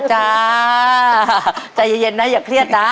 ทัดยะเย็นท่ะอย่าเครียดนะ